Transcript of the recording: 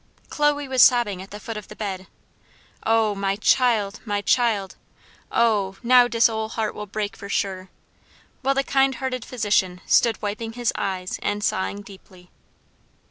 Chloe was sobbing at the foot of the bed, "Oh! my child! my child! Oh! now dis ole heart will break for sure!" while the kind hearted physician stood wiping his eyes and sighing deeply.